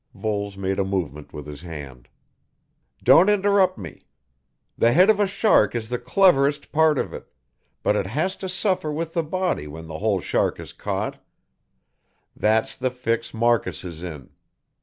Voles made a movement with his hand. "Don't interrupt me. The head of a shark is the cleverest part of it, but it has to suffer with the body when the whole shark is caught; that's the fix Marcus is in.